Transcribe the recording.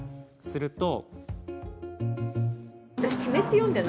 すると。